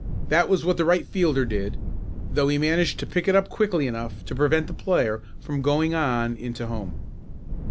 That was what the right fielder did, though he managed to pick it up quickly enough to prevent the player from going on in to home.